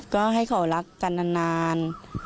ก็ให้เขารักกันนาน